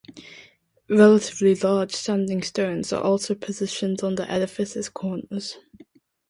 Relatively large standing stones are also positioned on the edifice's corners.